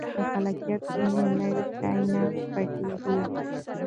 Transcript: که خلاقیت وي نو نوی شی نه پټیږي.